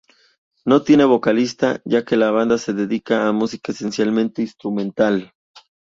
No tienen vocalista ya que la banda se dedica a música esencialmente instrumental.